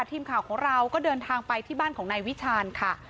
ทีมข่าวของเราก็เดินทางไปที่บ้านของนายวิชาณค่ะ